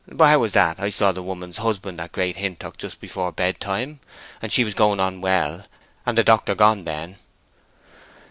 "But how's that? I saw the woman's husband at Great Hintock just afore bedtime; and she was going on well, and the doctor gone then."